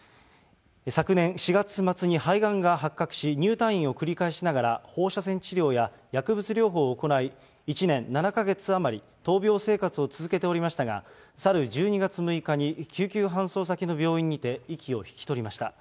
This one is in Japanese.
昨年４月末に肺がんが発覚し、入退院を繰り返しながら、放射線治療や薬物療法を行い、１年７か月余り、闘病生活を続けておりましたが、去る１２月６日に救急搬送先の病院にて息を引き取りました。